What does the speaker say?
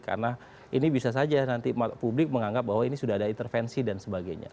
karena ini bisa saja nanti publik menganggap bahwa ini sudah ada intervensi dan sebagainya